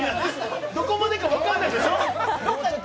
どこまでか分かんないですよ。